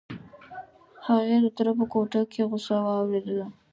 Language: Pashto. هغې د تره په کوټه کې غوسه واورېدله.